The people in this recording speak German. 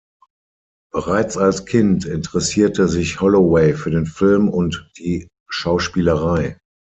Bereits als Kind interessierte sich Holloway für den Film und die Schauspielerei.